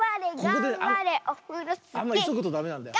ここでねあまりいそぐとダメなんだよ。